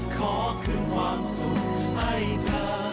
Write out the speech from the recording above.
ขอคืนความสุขให้เธอ